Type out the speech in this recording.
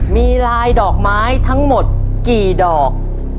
มีลายดอกไม้ทั้งหมดกี่ดอก